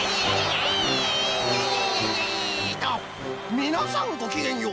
みなさんごきげんよう。